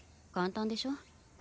簡単でしょ。